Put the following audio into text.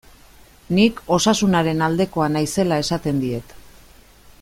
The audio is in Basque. Nik Osasunaren aldekoa naizela esaten diet.